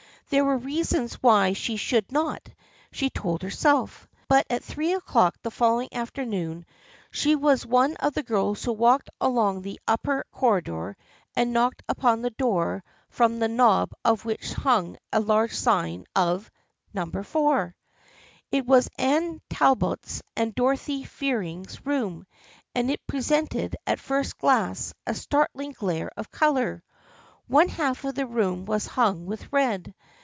There were reasons why she should not, she told herself. But at three o'clock the following afternoon she was one of the girls who walked along the upper THE FRIENDSHIP OF ANNE 53 corridor and knocked upon a door from the knob of which hung a large sign of " Number 4." It was Anne Talbot's and Dorothy Fearing's room and it presented at first glance a startling glare of color. One half of the room was hung with red.